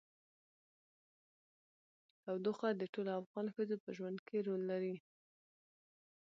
تودوخه د ټولو افغان ښځو په ژوند کې رول لري.